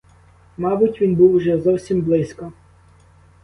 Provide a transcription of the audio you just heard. Мабуть, він був уже зовсім близько.